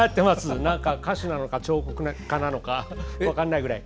歌手なのか彫刻家なのか分からないぐらい。